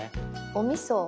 おみそ